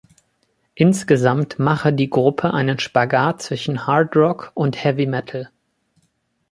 Insgesamt mache die Gruppe einen Spagat zwischen Hard Rock und Heavy Metal.